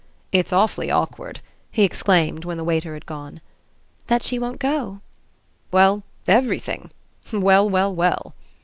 "It's awfully awkward!" he exclaimed when the waiter had gone. "That she won't go?" "Well everything! Well, well, well!"